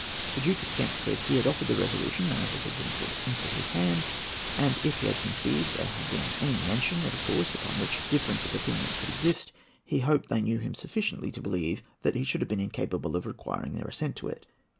The Duke of Kent said he had offered the resolution as it had been put into his hand; and if he had conceived there had been any mention of a course upon which difference of opinion could exist, he hoped they knew him sufficiently to believe that he should have been incapable of requiring their assent to it.